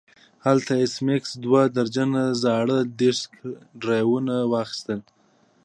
هلته ایس میکس دوه درجن زاړه ډیسک ډرایوونه واخیستل